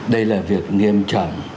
đây là việc nghiêm trọng